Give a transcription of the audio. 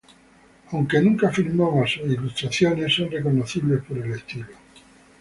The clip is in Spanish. Aunque nunca firmaba sus ilustraciones, son reconocibles por el estilo.